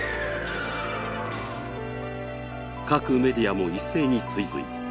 各メディアも一斉に追随。